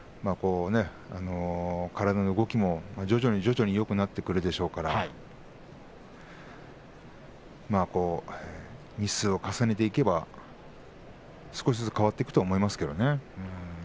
体の動きも徐々に徐々によくなってくるでしょうから日数を重ねていけば、少しずつ変わっていくと思いますけれどね。